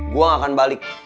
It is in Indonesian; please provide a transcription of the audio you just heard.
gue gak akan balik